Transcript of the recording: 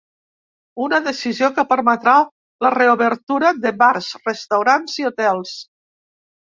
Una decisió que permetrà la reobertura de bars, restaurants i hotels.